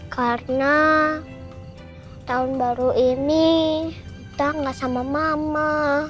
karena tahun baru ini kita nggak sama mama